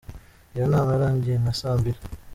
Iyo nama yarangiye nka saa mbiri.